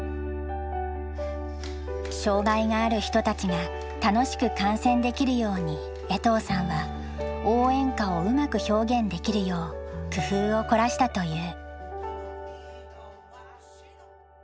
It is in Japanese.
障害がある人たちが楽しく観戦できるように江藤さんは応援歌をうまく表現できるよう工夫を凝らしたという。